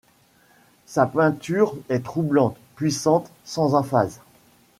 Sa peinture est troublante, puissante, sans emphase.